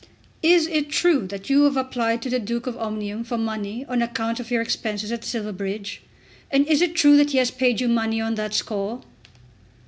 "Is it true that you have applied to the Duke of Omnium for money on account of your expenses at Silverbridge, and is it true that he has paid you money on that score?"